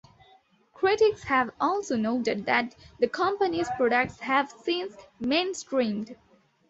Critics have also noted that the companies products have since mainstreamed.